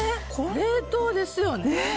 冷凍ですよね？ねぇ！